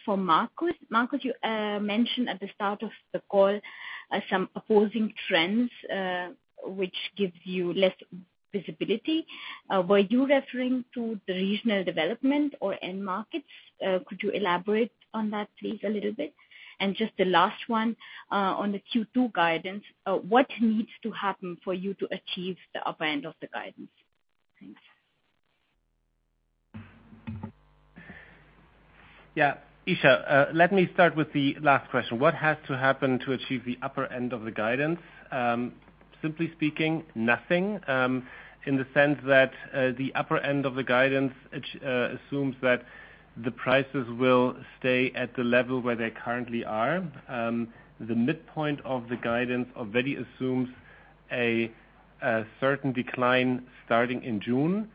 for Markus. Markus, you mentioned at the start of the call some opposing trends, which gives you less visibility. Were you referring to the regional development or end markets? Could you elaborate on that, please, a little bit? Just the last one, on the Q2 guidance, what needs to happen for you to achieve the upper end of the guidance? Thanks. Isha, let me start with the last question. What has to happen to achieve the upper end of the guidance? Simply speaking, nothing, in the sense that the upper end of the guidance assumes that the prices will stay at the level where they currently are. The midpoint of the guidance already assumes a certain decline starting in June,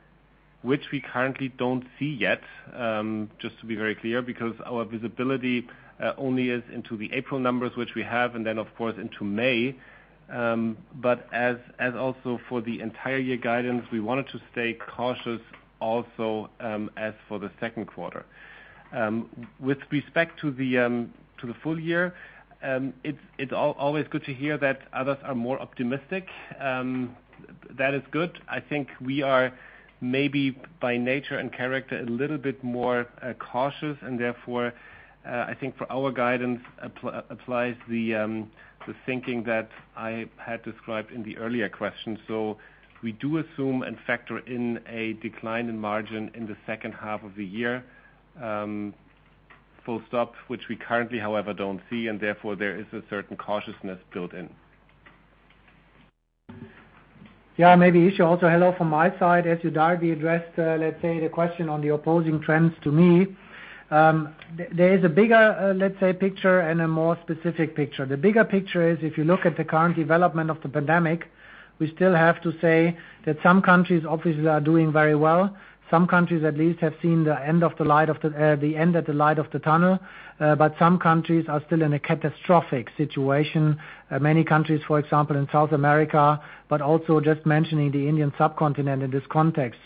which we currently don't see yet, just to be very clear, because our visibility only is into the April numbers, which we have, and then of course into May. As also for the entire year guidance, we wanted to stay cautious also, as for the second quarter. With respect to the full year, it's always good to hear that others are more optimistic. That is good. I think we are maybe by nature and character a little bit more cautious and therefore, I think for our guidance applies the thinking that I had described in the earlier question. We do assume and factor in a decline in margin in the second half of the year full stop, which we currently, however, don't see, and therefore there is a certain cautiousness built in. Maybe Isha, also hello from my side. As you directly addressed, let's say the question on the opposing trends to me. There is a bigger, let's say, picture and a more specific picture. The bigger picture is if you look at the current development of the pandemic, we still have to say that some countries obviously are doing very well. Some countries at least have seen the end at the light of the tunnel. Some countries are still in a catastrophic situation. Many countries, for example, in South America, but also just mentioning the Indian subcontinent in this context.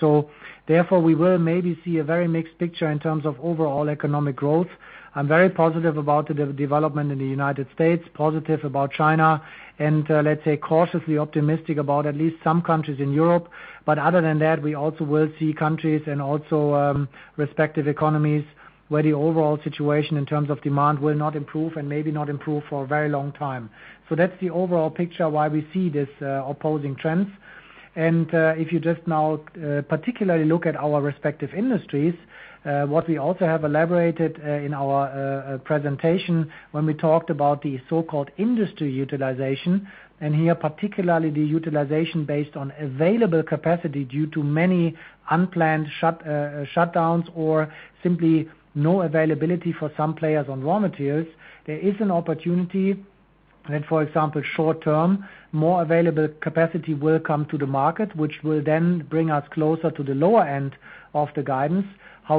Therefore, we will maybe see a very mixed picture in terms of overall economic growth. I'm very positive about the development in the United States, positive about China, and let's say cautiously optimistic about at least some countries in Europe. Other than that, we also will see countries and also respective economies where the overall situation in terms of demand will not improve and maybe not improve for a very long time. That's the overall picture why we see this opposing trends. If you just now particularly look at our respective industries, what we also have elaborated, in our presentation when we talked about the so-called industry utilization, and here, particularly the utilization based on available capacity due to many unplanned shutdowns or simply no availability for some players on raw materials. There is an opportunity that, for example, short-term, more available capacity will come to the market, which will then bring us closer to the lower end of the guidance.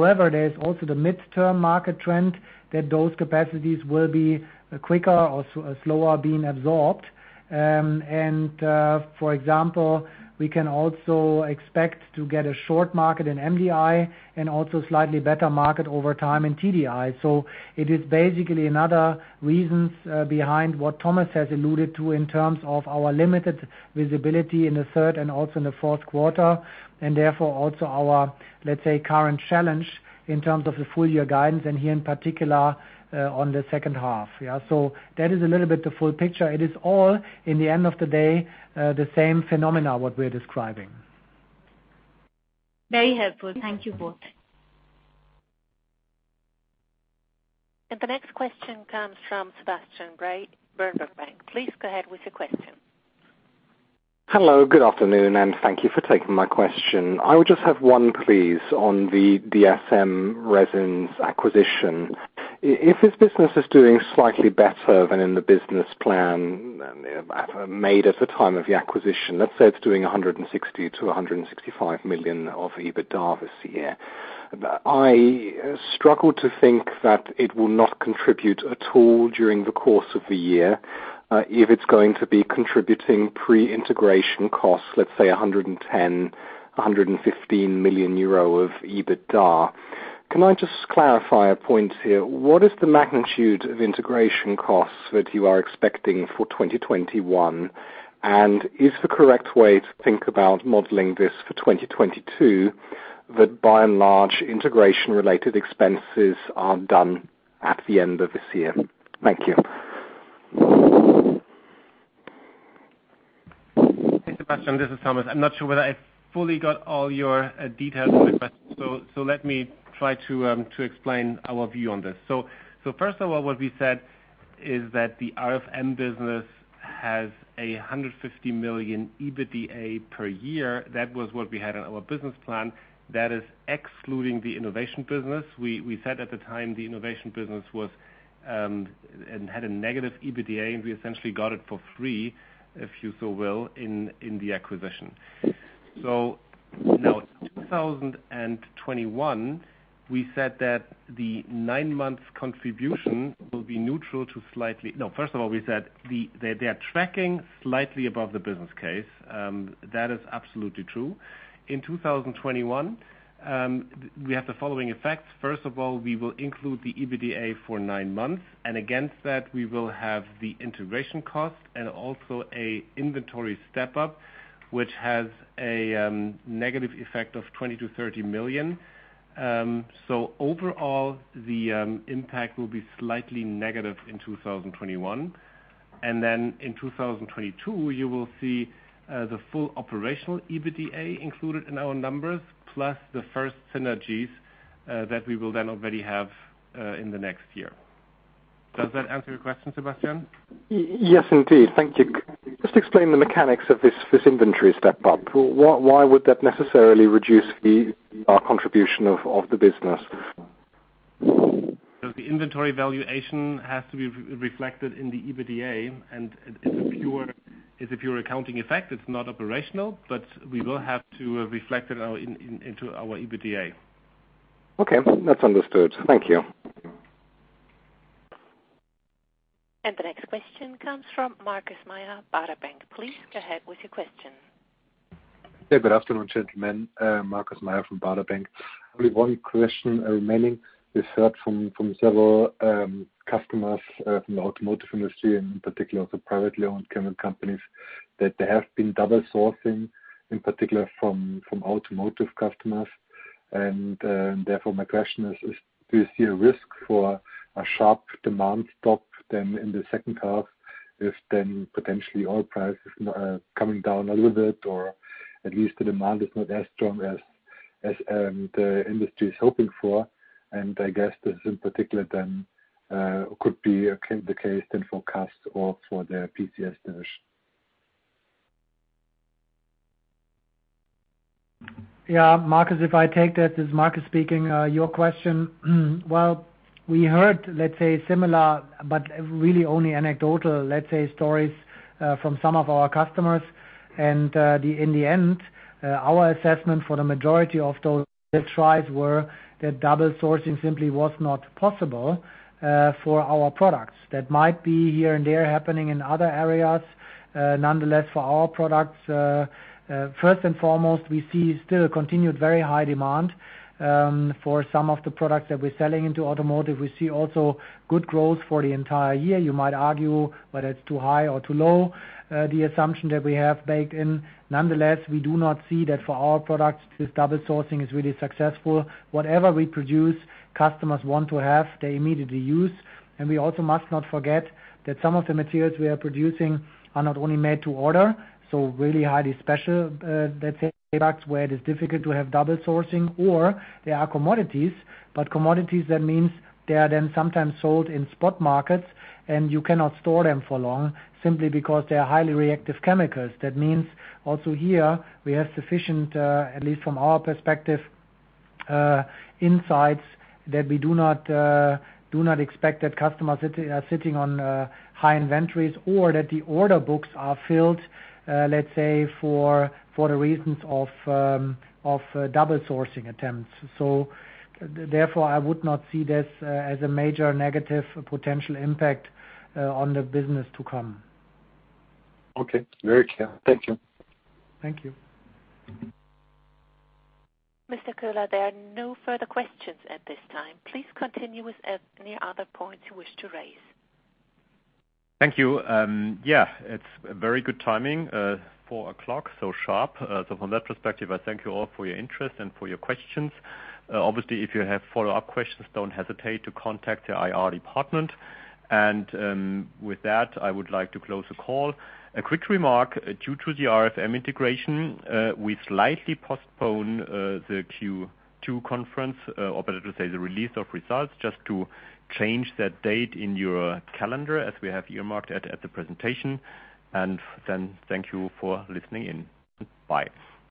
There is also the midterm market trend that those capacities will be quicker or slower being absorbed. For example, we can also expect to get a short market in MDI and also slightly better market over time in TDI. It is basically another reasons behind what Thomas has alluded to in terms of our limited visibility in the third and also in the fourth quarter, and therefore also our, let's say, current challenge in terms of the full-year guidance and here in particular, on the second half. That is a little bit the full picture. It is all, in the end of the day, the same phenomena what we're describing. Very helpful. Thank you both. The next question comes from Sebastian Bray, Berenberg Bank. Please go ahead with the question. Hello, good afternoon, and thank you for taking my question. I would just have one, please, on the DSM Resins acquisition. If this business is doing slightly better than in the business plan made at the time of the acquisition, let's say it's doing 160 million-165 million of EBITDA this year. I struggle to think that it will not contribute at all during the course of the year. If it's going to be contributing pre-integration costs, let's say 110 million-115 million euro of EBITDA. Can I just clarify a point here? What is the magnitude of integration costs that you are expecting for 2021? Is the correct way to think about modeling this for 2022, that by and large, integration related expenses are done at the end of this year? Thank you. Thanks, Sebastian. This is Thomas. I'm not sure whether I fully got all your details for the question. Let me try to explain our view on this. First of all, what we said is that the RFM business has 150 million EBITDA per year. That was what we had in our business plan. That is excluding the innovation business. We said at the time the innovation business had a negative EBITDA, and we essentially got it for free, if you so will, in the acquisition. Now 2021, we said that the nine months contribution will be neutral. No, first of all, we said they are tracking slightly above the business case. That is absolutely true. In 2021, we have the following effects. First of all, we will include the EBITDA for nine months, and against that, we will have the integration cost and also an inventory step-up, which has a negative effect of 20 million-30 million. Overall, the impact will be slightly negative in 2021. In 2022, you will see the full operational EBITDA included in our numbers, plus the first synergies that we will then already have in the next year. Does that answer your question, Sebastian? Yes, indeed. Thank you. Just explain the mechanics of this inventory step-up. Why would that necessarily reduce the contribution of the business? The inventory valuation has to be reflected in the EBITDA. It's a pure accounting effect. It's not operational, we will have to reflect it into our EBITDA. Okay. That's understood. Thank you. The next question comes from Markus Mayer, Baader Bank. Please go ahead with your question. Hey, good afternoon, gentlemen. Markus Mayer from Baader Bank. Only one question remaining. We've heard from several customers from the automotive industry, and in particular the privately owned chemical companies, that they have been double sourcing, in particular from automotive customers. Therefore my question is, do you see a risk for a sharp demand stop then in the second half if then potentially oil prices coming down a little bit, or at least the demand is not as strong as the industry is hoping for? I guess this in particular then could be the case then for CAS or for the PCS division. Yeah, Markus, if I take that, this is Markus speaking, your question. Well, we heard, let's say, similar, but really only anecdotal stories from some of our customers. In the end, our assessment for the majority of those tries were that double sourcing simply was not possible for our products. That might be here and there happening in other areas. Nonetheless, for our products, first and foremost, we see still a continued very high demand for some of the products that we're selling into automotive. We see also good growth for the entire year. You might argue whether it's too high or too low, the assumption that we have baked in. Nonetheless, we do not see that for our products, this double sourcing is really successful. Whatever we produce, customers want to have, they immediately use. We also must not forget that some of the materials we are producing are not only made to order, so really highly special, let's say, products where it is difficult to have double sourcing, or they are commodities. Commodities, that means they are then sometimes sold in spot markets and you cannot store them for long simply because they are highly reactive chemicals. That means also here we have sufficient, at least from our perspective, insights that we do not expect that customers are sitting on high inventories or that the order books are filled for the reasons of double sourcing attempts. Therefore, I would not see this as a major negative potential impact on the business to come. Okay. Very clear. Thank you. Thank you. Mr. Köhler, there are no further questions at this time. Please continue with any other points you wish to raise. Thank you. It's very good timing, 4:00 o'clock, sharp. From that perspective, I thank you all for your interest and for your questions. Obviously, if you have follow-up questions, don't hesitate to contact the IR department. With that, I would like to close the call. A quick remark, due to the RFM integration, we slightly postpone the Q2 conference, or better to say, the release of results, just to change that date in your calendar as we have earmarked at the presentation. Thank you for listening in. Bye.